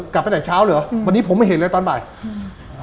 กลับไปแต่เช้าเหรออืมวันนี้ผมไม่เห็นเลยตอนบ่ายอืม